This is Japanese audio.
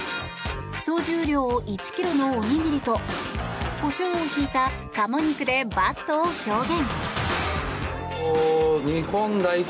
総重量１ｋｇのおにぎりとコショウをひいたカモ肉でバットを表現。